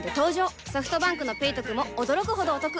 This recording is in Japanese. ソフトバンクの「ペイトク」も驚くほどおトク